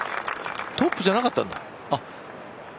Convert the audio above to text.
トップじゃなかったんだ。